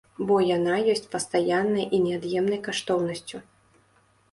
Бо яна ёсць пастаяннай і неад'емнай каштоўнасцю.